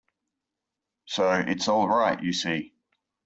So it's all right, you see.